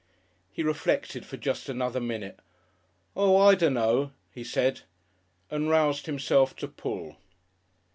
He reflected for just another minute. "Oo! I dunno," he said, and roused himself to pull.